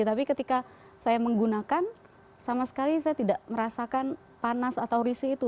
tapi ketika saya menggunakan sama sekali saya tidak merasakan panas atau risih itu